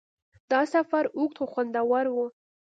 دا سفر اوږد خو خوندور و.